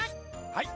はい！